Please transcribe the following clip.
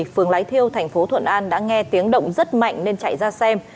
phường lái thiêu tp thuận an đã nghe tiếng động rất mạnh nên chạy ra xem